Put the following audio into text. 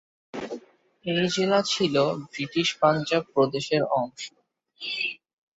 এই জেলা ছিল ব্রিটিশ পাঞ্জাব প্রদেশের অংশ।